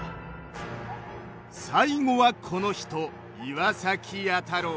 最後はこの人岩崎弥太郎。